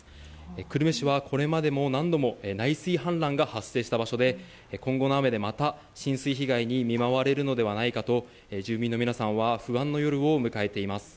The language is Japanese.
久留米市はこれまでも何度も内水氾濫が発生した場所で今後の雨でまた浸水被害に見舞われるのではないかと住民の皆さんは不安な夜を迎えています。